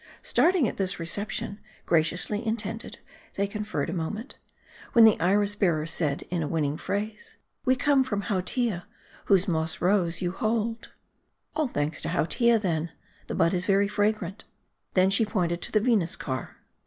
Starting at this reception, graciously intended, they con ferred a moment ; when the Iris bearer said in winning phrase, "We come from Hautia, whose moss rose you hold." " All thanks to Hautia then ; the bud is very fragrant." Then she pointed to the Venus car.